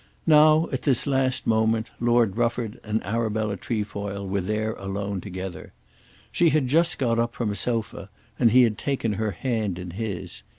Now, at this last moment, Lord Rufford and Arabella Trefoil were there alone together. She had just got up from a sofa, and he had taken her hand in his.